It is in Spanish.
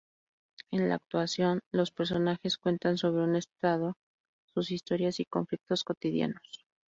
En la actuación, los personajes cuentan sobre un estrado sus historias y conflictos cotidianos.